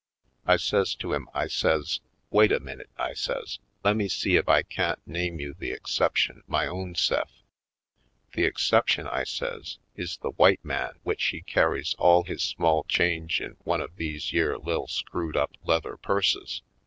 I says to him, I says : "Wait a minute," I says. "Lemme see ef I can't name you the exception my own se'f . The exception," I says, "is the w'ite man w'ich he carries all his small change in one of these yere lil' screwed up leather purses.